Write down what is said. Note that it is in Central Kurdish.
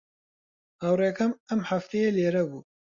هاوڕێکەم ئەم هەفتەیە لێرە بووە.